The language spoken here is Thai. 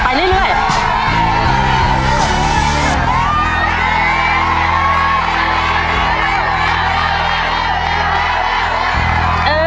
ไปเรื่อย